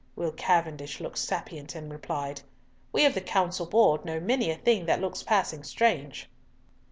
Will Cavendish looked sapient, and replied, "We of the Council Board know many a thing that looks passing strange."